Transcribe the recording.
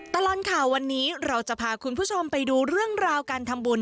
ตลอดข่าววันนี้เราจะพาคุณผู้ชมไปดูเรื่องราวการทำบุญ